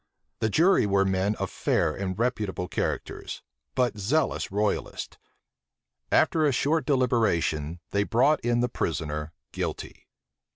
The jury were men of fair and reputable characters, but zealous royalists: after a short deliberation, they brought in the prisoner guilty.